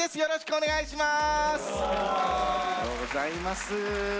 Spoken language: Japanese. お願いします。